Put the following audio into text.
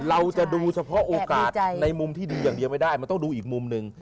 เราจะดูเฉพาะโอกาสในมุมที่ดูอย่างเดียวไม่ได้มันต้องดูอีกมุมหนึ่ง